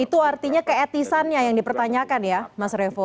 itu artinya keetisannya yang dipertanyakan ya mas revo